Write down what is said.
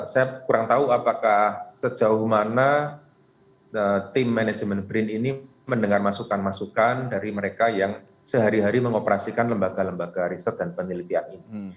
saya kurang tahu apakah sejauh mana tim manajemen brin ini mendengar masukan masukan dari mereka yang sehari hari mengoperasikan lembaga lembaga riset dan penelitian ini